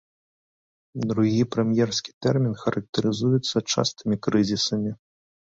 Другі прэм'ерскі тэрмін характарызуецца частымі крызісамі.